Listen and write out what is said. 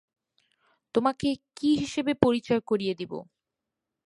তোমাকে কী হিসেবে পরিচয় করিয়ে দিবো?